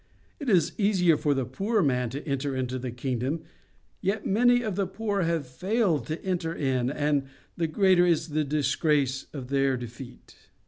It is easier for the poor man to enter into the kingdom, yet many of the poor have failed to enter in, and the greater is the disgrace of their defeat.